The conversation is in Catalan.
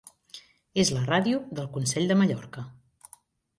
És la ràdio del Consell de Mallorca.